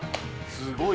すごい。